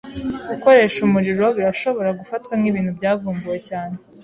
Gukoresha umuriro birashobora gufatwa nkibintu byavumbuwe cyane.